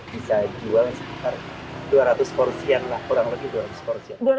bisa jual sekitar dua ratus porsian lah kurang lebih dua ratus porsi